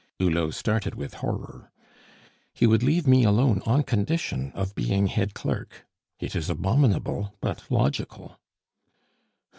Hulot started with horror. "He would leave me alone on condition of being head clerk. It is abominable but logical."